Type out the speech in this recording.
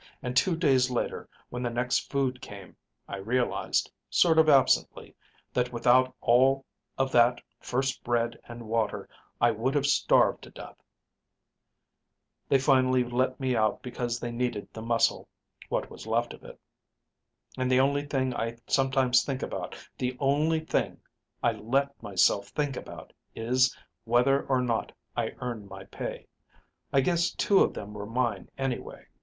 And two days later, when the next food came, I realized, sort of absently, that without all of that first bread and water I would have starved to death. They finally let me out because they needed the muscle, what was left of it. And the only thing I sometimes think about, the only thing I let myself think about, is whether or not I earned my pay. I guess two of them were mine anyway.